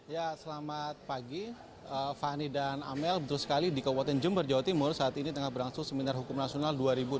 ya selamat pagi fani dan amel betul sekali di kabupaten jember jawa timur saat ini tengah berlangsung seminar hukum nasional dua ribu delapan belas